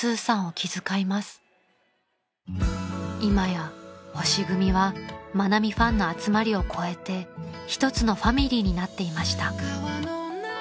［今や星組は愛美ファンの集まりを超えて一つのファミリーになっていました］